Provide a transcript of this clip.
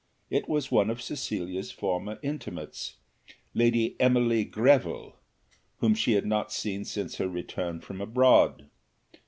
It was one of Cecilia's former intimates Lady Emily Greville, whom she had not seen since her return from abroad.